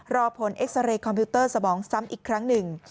รอผลเอ็กซาเรย์คอมพิวเตอร์สมองซ้ำอีกครั้งหนึ่ง